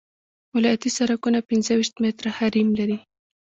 ولایتي سرکونه پنځه ویشت متره حریم لري